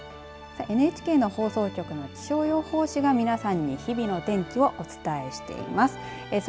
さあ、ＮＨＫの放送局の気象予報士が皆さんに日々の天気をお伝えしています。